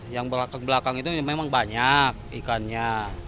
yang belakang belakang itu memang banyak ikannya